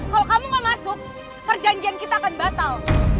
kalau kamu gak masuk perjanjian kita akan batal